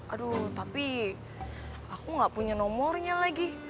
aduh tapi aku gak punya nomornya lagi